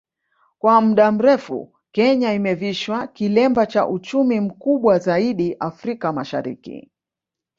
kwa muda mrefu Kenya imevishwa kilemba cha uchumi mkubwa zaidi Afrika Mashariki